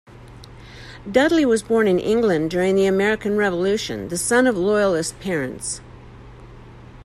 Dudley was born in England during the American Revolution, the son of Loyalist parents.